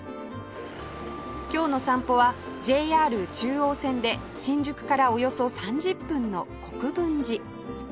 今日の散歩は ＪＲ 中央線で新宿からおよそ３０分の国分寺